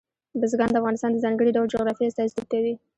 بزګان د افغانستان د ځانګړي ډول جغرافیه استازیتوب کوي.